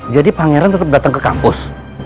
jadi pangeran tetap datang ke kampus